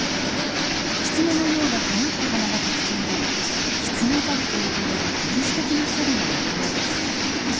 キツネのようなとがった鼻が特徴でキツネザルと呼ばれる原始的なサルの仲間です。